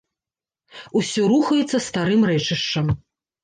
Усё рухаецца старым рэчышчам.